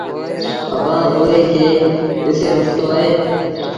اڀآنٚ اُئي کي ڏسي وٺتو اهي۔